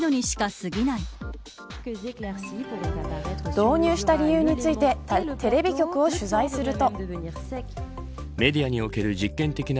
導入した理由についてテレビ局を取材すると。